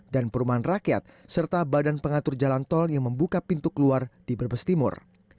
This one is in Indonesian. dan perumahan rakyat serta badan pengatur jalan tol yang membuka pintu keluar di berbestimur